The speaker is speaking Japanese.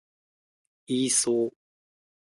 イーソー